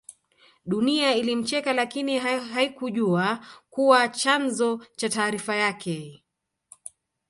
Dunia ilimcheka lakini haikujjua kuwa chanzo cha taarifa yake